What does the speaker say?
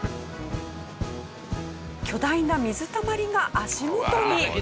巨大な水たまりが足元に。